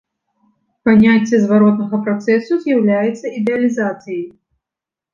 Паняцце зваротнага працэсу з'яўляецца ідэалізацыяй.